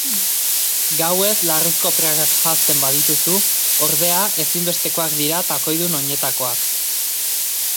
Gauez larruzko prakak janzten badituzu, ordea, ezinbestekoak dira takoidun oinetakoak.